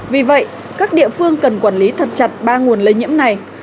vì vậy các địa phương cần quản lý thật chặt ba nguồn lây nhiễm này